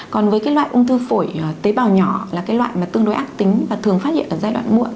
còn với cái loại ung thư phổi tế bào nhỏ là cái loại mà tương đối ác tính và thường phát hiện ở giai đoạn muộn